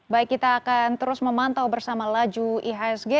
baik kita akan terus memantau bersama laju ihsg